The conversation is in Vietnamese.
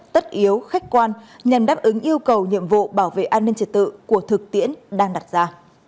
tất yếu khách quan nhằm đáp ứng yêu cầu nhiệm vụ bảo vệ an ninh trật tự của thực tiễn đang đặt ra